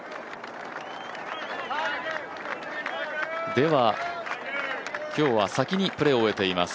では、今日は先にプレーを終えています